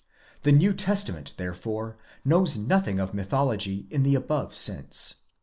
The New Testament therefore knows nothing of mytho logy in the above sense.